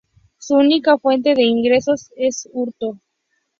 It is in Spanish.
Su única fuente de ingresos es el hurto.